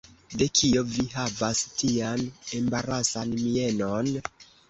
De kio vi havas tian embarasan mienon?